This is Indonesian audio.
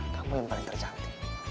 kamu yang paling tercantik